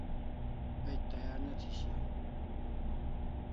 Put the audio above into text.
Page tayar ne thi shiau